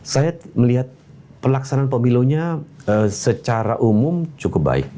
saya melihat pelaksanaan pemilunya secara umum cukup baik